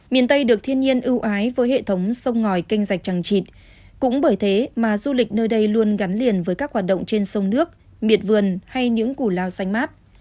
miền tây được thiên nhiên ưu ái với hệ thống sông ngòi canh rạch chẳng chịt cũng bởi thế mà du lịch nơi đây luôn gắn liền với các hoạt động trên sông nước miệt vườn hay những củ lao xanh mát